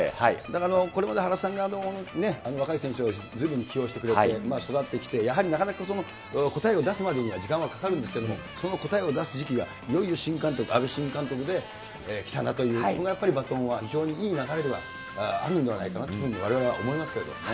これまで原さんが若い選手をずいぶん起用してくれて、育ててきて、なかなかその答えを出すまでには時間はかかるんですけれども、そこの答えを出す時期が、いよいよ新監督、阿部新監督できたなという、このやっぱりバトンは非常にいい流れではあるんではないかなというふうにわれわれは思いますけれどもね。